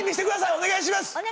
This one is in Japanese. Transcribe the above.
お願いします！